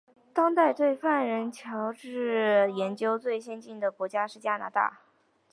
当代对犯人矫治研究最先进的国家是加拿大。